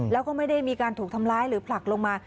แล้วก็ไม่ได้มีการถูกทำร้ายหรือผลักลงมา